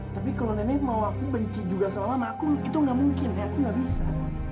tapi kalau nenek mau aku benci sama mama tuh itu ga mungkin nek aku ga bisa